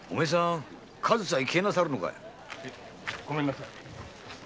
ごめんなさい。